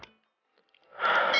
tapi ya sudah